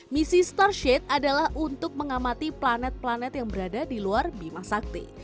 misi starship adalah untuk mengamati planet planet yang berada di luar bima sakti